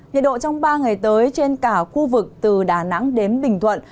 nhiệt độ trong ba ngày tới trên cả khu vực từ đà nẵng đến bình thuận